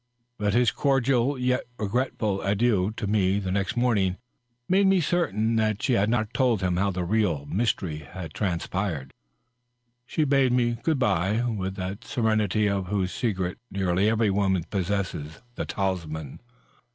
But his cordial yet regretful adieu to me the next morning made me certain that she had not told him how the real " mystery" had tran spired. .. She bade me good by with that serenity of whose secret nearly every woman possesses the talisman.